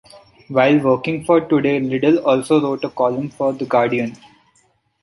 While working for "Today", Liddle also wrote a column for "The Guardian".